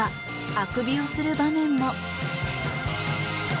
あくびをする場面も。